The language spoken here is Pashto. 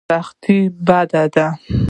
سختي بد دی.